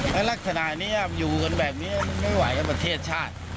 และลักษณะนี้อยู่กันแบบนี้มันไม่ไหวกับประเทศชาติ